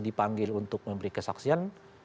dipanggil untuk memberi kesaksian